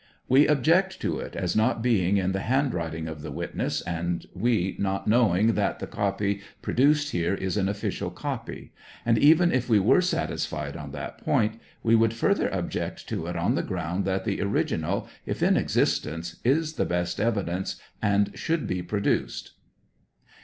We object to it, as not being in the hand writing of the witness, and we not knowing that the copy produced here is an official copy; and even if we were satisfied on that point, we would further ob ject to it on the ground that the original, if in existence, is the best evidence, and should be produced.